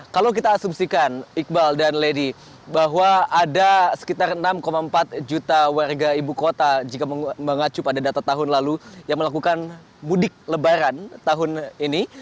kalau kita asumsikan iqbal dan lady bahwa ada sekitar enam empat juta warga ibu kota jika mengacu pada data tahun lalu yang melakukan mudik lebaran tahun ini